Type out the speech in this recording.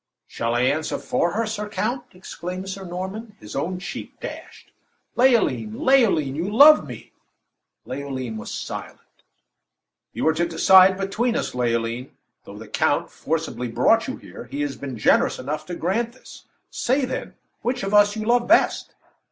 "Shall I answer for her, Sir Count?" exclaimed Sir Norman, his own cheek dashed. "Leoline! Leoline! you love me!" Leoline was silent. "You are to decide between us, Leoline. Though the count forcibly brought you here, he has been generous enough to grant this. Say, then, which of as you love best."